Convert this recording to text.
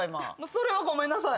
それはごめんなさい。